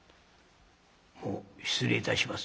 「もう失礼いたします」。